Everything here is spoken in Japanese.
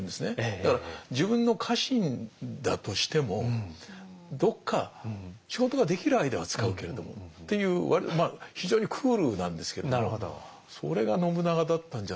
だから自分の家臣だとしてもどっか仕事ができる間は使うけれどもっていう非常にクールなんですけどそれが信長だったんじゃないかなという。